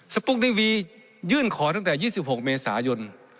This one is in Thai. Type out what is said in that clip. ปุ๊กดีวียื่นขอตั้งแต่๒๖เมษายน